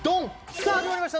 さあ始まりました